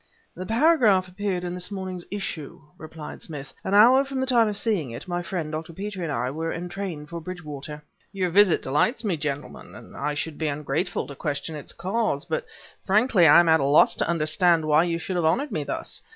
"The paragraph appeared in this morning's issue," replied Smith. "An hour from the time of seeing it, my friend, Dr. Petrie, and I were entrained for Bridgewater." "Your visit delights me, gentlemen, and I should be ungrateful to question its cause; but frankly I am at a loss to understand why you should have honored me thus.